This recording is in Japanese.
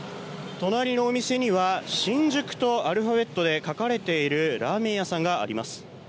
隣のお店にはｓｈｉｎｊｕｋｕとアルファベットで書かれているラーメン屋さんがあります。